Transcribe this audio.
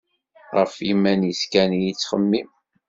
Ɣef yiman-is kan i yettxemmim.